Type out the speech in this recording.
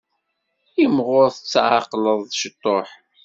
Imɣur tetɛeqqleḍ ciṭuḥ.